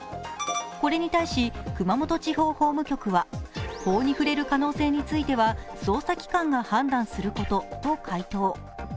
これに対し熊本地方法務局は、法に触れる可能性については捜査機関が判断することと回答。